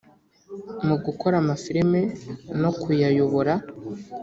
mu gukora amafilimi no kuyayobora